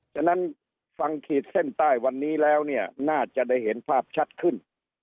ฉะนั้นฟังขีดเส้นใต้วันนี้แล้วเนี่ยน่าจะได้เห็นภาพชัดขึ้น